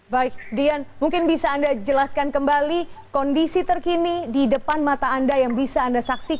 baik dian mungkin bisa anda jelaskan kembali kondisi terkini di depan mata anda yang bisa anda saksikan